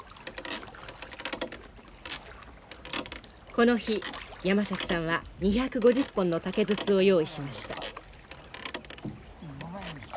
この日山崎さんは２５０本の竹筒を用意しました。